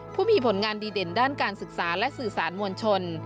ผู้มีผลงานดีเด่นด้านการศึกษาและสื่อสารมวลชน